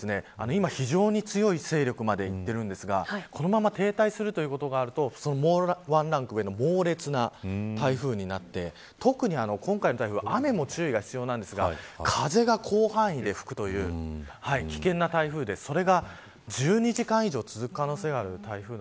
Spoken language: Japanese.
今非常に強い勢力までいっているんですがこのまま停滞することがあるとワンランク上の猛烈な台風になって特に今回の台風は雨も注意が必要なんですが風が広範囲で吹くという危険な台風でそれが１２時間以上続く可能性があります。